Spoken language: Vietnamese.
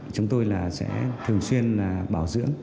chúng tôi sẽ thường xuyên bảo dưỡng